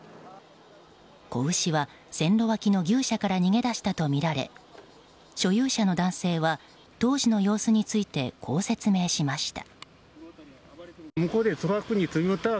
子牛は線路脇の牛舎から逃げ出したとみられ所有者の男性は当時の様子についてこう説明しました。